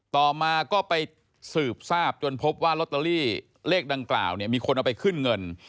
ต่อมาก็ไปสืบทราบจนพบว่าลอตเตอรี่เลขดังกล่าวเนี่ยมีคนเอาไปขึ้นเงิน